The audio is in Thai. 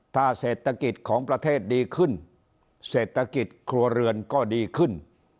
ถ้าเศรษฐกิจของประเทศดีขึ้นเศรษฐกิจครัวเรือนก็ดีขึ้น